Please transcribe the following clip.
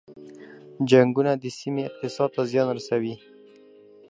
جنګونه د سیمې اقتصاد ته زیان رسوي.